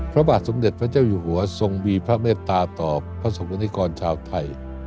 พระบาทสมเด็จพระเจ้าอยู่หัวทรงมีพระเมตตาต่อพระศกรณิกรชาวไทย